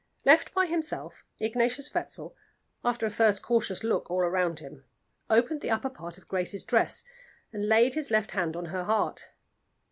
Left by himself, Ignatius Wetzel, after a first cautious look all round him, opened the upper part of Grace's dress, and laid his left hand on her heart.